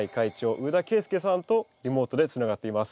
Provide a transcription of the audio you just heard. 上田恵介さんとリモートでつながっています。